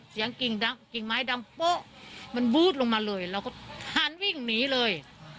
กิ่งดังกิ่งไม้ดังโป๊ะมันบู๊ดลงมาเลยเราก็หันวิ่งหนีเลย